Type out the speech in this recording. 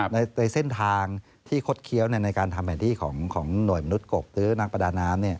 ในเส้นทางที่คดเคี้ยวในการทำแผนที่ของหน่วยมนุษย์กบหรือนักประดาน้ำ